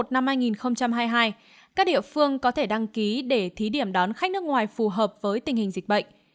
năm hai nghìn hai mươi hai các địa phương có thể đăng ký để thí điểm đón khách nước ngoài phù hợp với tình hình dịch bệnh